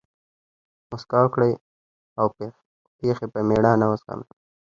مسکا وکړئ! او پېښي په مېړانه وزغمئ!